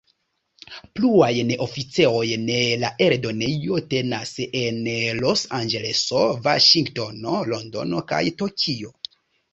Pluajn oficejojn la eldonejo tenas en Los-Anĝeleso, Vaŝingtono, Londono kaj Tokio.